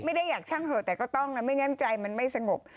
ไม่ได้อยากช่างเถอะแต่ก็ต้องนะไม่งั้นใจมันไม่สงบ